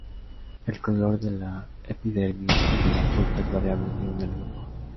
El color de la epidermis y de la pulpa es variable según el grupo.